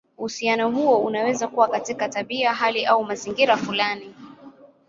Uhusiano huo unaweza kuwa katika tabia, hali, au mazingira fulani.